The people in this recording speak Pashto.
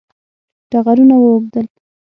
ټغرونه واوبدل